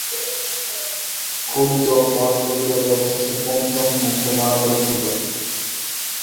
ক্রুদ্ধ বাদপ্রতিবাদে অবশেষে পঞ্চম অন্ধ মারামারি শুরু করিল।